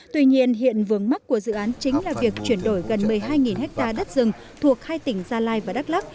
tuy nhiên hiện vướng mắt của dự án chính là việc chuyển đổi gần một mươi hai ha đất rừng thuộc hai tỉnh gia lai và đắk lắc